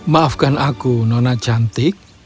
maafkan aku nona cantik